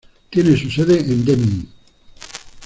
Tiene su sede en Deming.